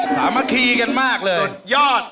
สามัคคีกันมากเลยสุดยอด